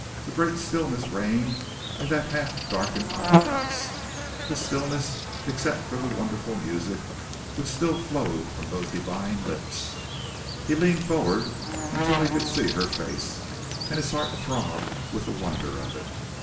A great stillness reigned in the half darkened Opera House, a stillness except for the wonderful music which still flowed from those divine lips. He leaned forward until he could see her face, and his heart throbbed with the wonder of it!